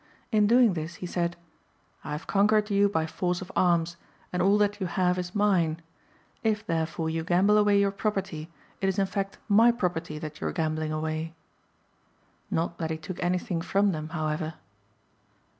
In doing this, he said :" I have con quered you by force of arms, and all that you have is mine ; if, therefore, you gamble away your property, it is in fact my property that you are gambling away." Not that he took anything from them however.